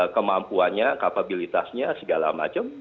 kemampuannya kapabilitasnya segala macam